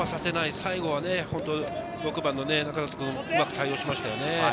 最後は６番の仲里君、うまく対応しましたね。